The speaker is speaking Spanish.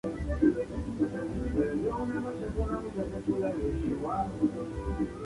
Gold recibió un Golden Joystick Award por "Software House of the Year".